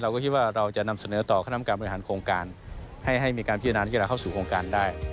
เราก็คิดว่าเราจะนำเสนอต่อขณะนำการบริหารโครงการ